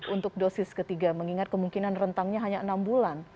untuk dosis ketiga mengingat kemungkinan rentangnya hanya enam bulan